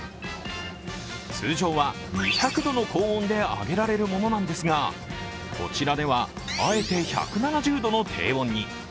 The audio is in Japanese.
通常は２００度の高温で揚げられるものなんですがこちらでは、あえて１７０度の低温に。